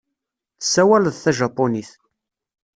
Tessawaleḍ tajapunit.